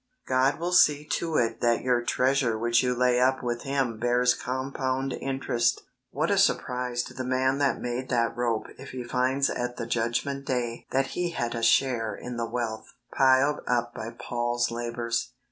God will see to it that your treasure which you lay up with Him bears compound interest. What a surprise to the man that made that rope if he finds at the Judgment Day that he had a share in the wealth piled up by Paul's labours